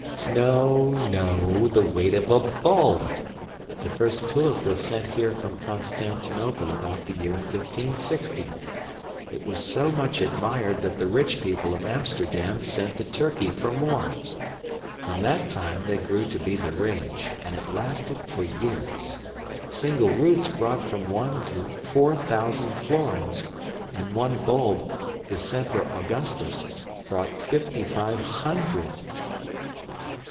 "No, no, the weight of a BULB. The first tulip was sent here from Constantinople about the year 1560. It was so much admired that the rich people of Amsterdam sent to Turkey for more. From that time they grew to be the rage, and it lasted for years. Single roots brought from one to four thousand florins; and one bulb, the Semper Augustus, brought fifty five hundred."